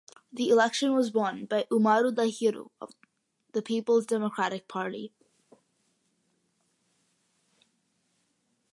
The election was won by Umaru Dahiru of the Peoples Democratic Party.